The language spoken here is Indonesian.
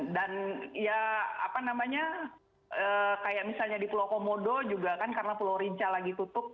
dan ya apa namanya kayak misalnya di pulau komodo juga kan karena pulau rinca lagi tutup